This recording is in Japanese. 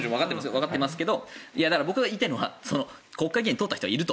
わかってますけど僕が言いたいのは国会議員、通った人がいますと。